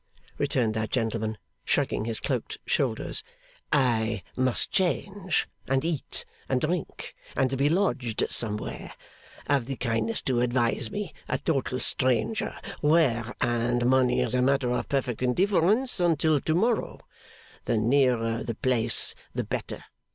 returned that gentleman, shrugging his cloaked shoulders, 'I must change, and eat and drink, and be lodged somewhere. Have the kindness to advise me, a total stranger, where, and money is a matter of perfect indifference until to morrow. The nearer the place, the better.